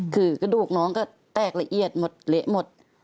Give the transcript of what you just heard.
คือกระดูกน้องก็แตกละเอียดหมดเละหมด